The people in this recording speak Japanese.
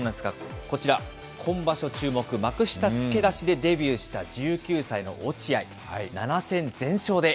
こちら、今場所注目、幕下付け出しでデビューした１９歳の落合。